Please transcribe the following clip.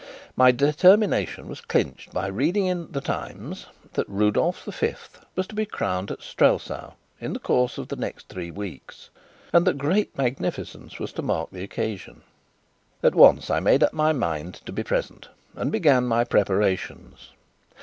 My determination was clinched by reading in The Times that Rudolf the Fifth was to be crowned at Strelsau in the course of the next three weeks, and that great magnificence was to mark the occasion. At once I made up my mind to be present, and began my preparations.